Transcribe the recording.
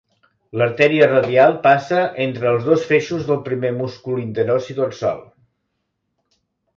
L'artèria radial passa entre els dos feixos del primer múscul interossi dorsal.